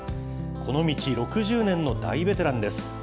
この道６０年の大ベテランです。